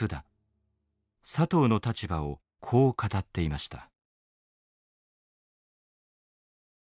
佐藤の立場をこう語っていました。